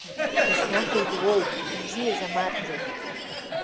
Иснаҭыз уоуп, убзиаз, амарџьа!